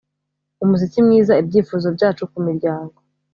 Umuziki mwiza Ibyifuzo byacu kumiryango